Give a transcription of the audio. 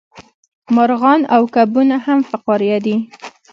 مارغان او کبونه هم فقاریه دي